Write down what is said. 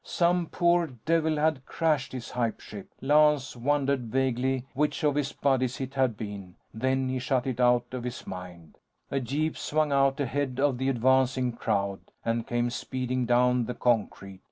Some poor devil had crashed his hype ship. Lance wondered vaguely which of his buddies it had been. Then he shut it out of his mind. A jeep swung out ahead of the advancing crowd and came speeding down the concrete.